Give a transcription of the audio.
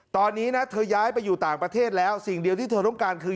ตอนนี้นะเธอย้ายไปอยู่ต่างประเทศแล้วสิ่งเดียวที่เธอต้องการคือ